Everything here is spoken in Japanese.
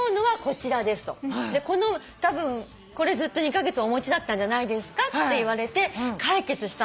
「たぶんこれずっと２カ月お持ちだったんじゃないですか」って言われて解決した。